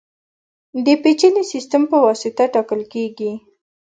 د پېچلي سیستم په واسطه ټاکل کېږي.